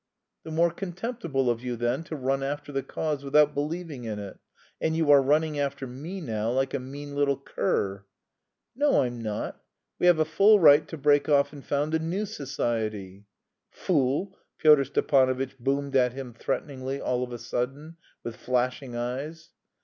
"The more contemptible of you, then, to run after the cause without believing in it... and you are running after me now like a mean little cur." "No, I'm not. We have a full right to break off and found a new society." "Fool!" Pyotr Stepanovitch boomed at him threateningly all of a sudden, with flashing eyes.